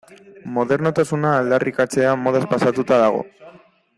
Modernotasuna aldarrikatzea modaz pasatuta dago.